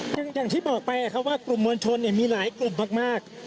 อย่างที่บอกไปว่ากลุ่มมวลชนมีหลายกลุ่มมาก